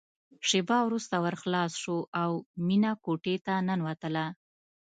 شېبه وروسته ور خلاص شو او مينه کوټې ته ننوتله